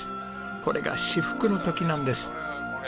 これが至福の時なんです。